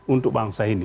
untuk bangsa ini